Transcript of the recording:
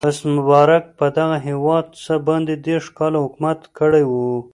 حسن مبارک پر دغه هېواد څه باندې دېرش کاله حکومت کړی و.